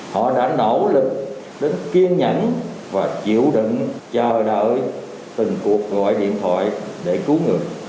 họ đã nỗ lực đến kiên nhẫn và chịu đựng chờ đợi từng cuộc gọi điện thoại để cứu người